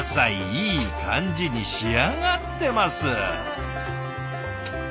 いい感じに仕上がってます！